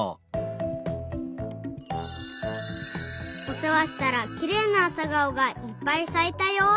おせわしたらきれいなあさがおがいっぱいさいたよ。